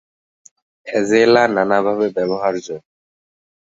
Azolla নানাভাবে ব্যবহার্য।